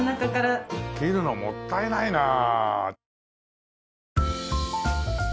切るのもったいないなあ。